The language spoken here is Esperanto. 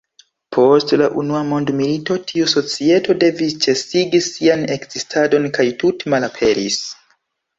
Post la Unua Mondmilito tiu societo devis ĉesigi sian ekzistadon kaj tute malaperis.